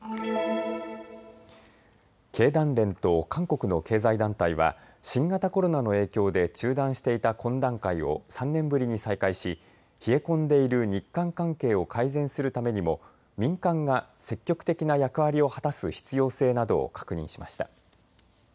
経団連と韓国の経済団体は新型コロナの影響で中断していた懇談会を３年ぶりに再開し冷え込んでいる日韓関係を改善するためにも民間が積極的な役割を果たす必要性などを確認しました。